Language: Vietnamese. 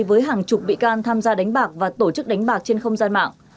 với hàng chục bị can tham gia đánh bạc và tổ chức đánh bạc trên không gian mạng